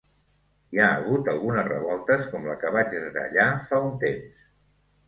Hi ha hagut algunes revoltes com la que vaig detallar fa un temps.